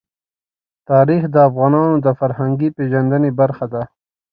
تاریخ د افغانانو د فرهنګي پیژندنې برخه ده.